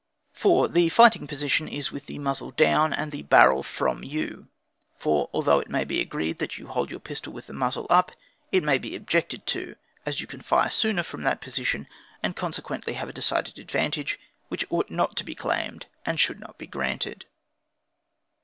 4. The fighting position, is with the muzzle down and the barrel from you; for although it may be agreed that you may hold your pistol with the muzzle up, it may be objected to, as you can fire sooner from that position, and consequently have a decided advantage, which ought not to be claimed, and should not be granted.